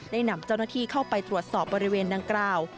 นำเจ้าหน้าที่เข้าไปตรวจสอบบริเวณดังกล่าว